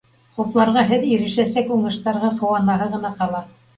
Хупларға, һеҙ ирешәсәк уңыштарға ҡыуанаһы ғына ҡала